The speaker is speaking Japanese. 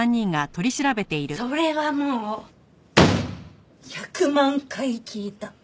それはもう１００万回聞いた。